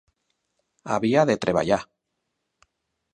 Havia de treballar.